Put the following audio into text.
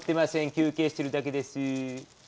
休けいしてるだけです。